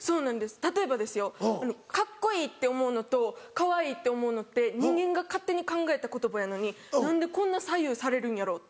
例えばですよカッコいいって思うのとかわいいって思うのって人間が勝手に考えた言葉やのに何でこんな左右されるんやろうって。